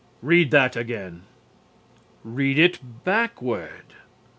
Read that again. Read it backward.